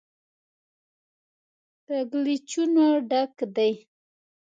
کږلېچونو ډک دی.